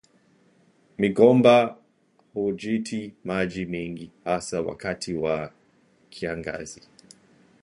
Migomba huhitaji maji mengi, hasa wakati wa kiangazi.